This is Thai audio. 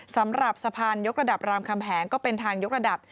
สำหรับสะพานยกระดับรามคำแหงก็เป็นทางยกระดับ